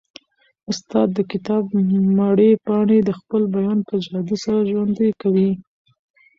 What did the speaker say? استاد د کتاب مړې پاڼې د خپل بیان په جادو سره ژوندۍ کوي.